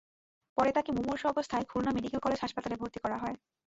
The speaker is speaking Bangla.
পরে তাঁকে মুমূর্ষু অবস্থায় খুলনা মেডিকেল কলেজ হাসপাতালে ভর্তি করা হয়।